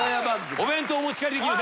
お弁当お持ち帰りできる。